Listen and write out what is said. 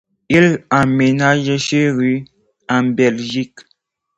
Ils emménagent chez lui en Belgique.